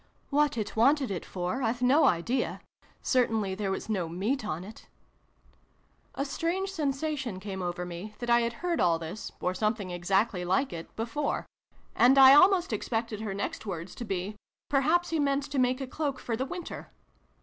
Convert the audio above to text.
What it wanted it for, I've no idea: certainly there was no meat on it A strange sensation came over me, that I had heard all this, or something exactly like it, before : and I almost expected her next words to be " perhaps he meant to make a cloak for the winter